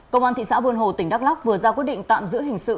công an thị xã buôn hồ tỉnh đắk lắc vừa ra quyết định tạm giữ hình sự